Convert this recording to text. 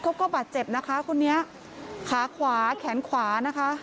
เขาก็บาดเจ็บนะคะคนนี้ขาขวาแขนขวานะคะ